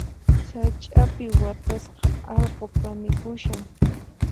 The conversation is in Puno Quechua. Sach'api watasqa allqu kanikushan.